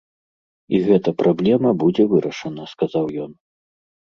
І гэта праблема будзе вырашана, сказаў ён.